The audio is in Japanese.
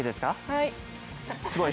はい。